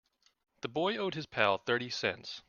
The boy owed his pal thirty cents.